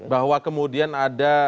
bahwa kemudian ada